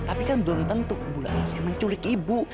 tapi kan doang tentu ibu laras yang menculik ibu